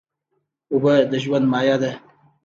اوبه د ژوند مایه ده.